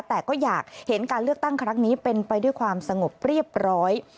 แต่ก็อยากเห็นการเลือกตั้งครั้งนี้เป็นไปด้วยความสงบเรียบร้อย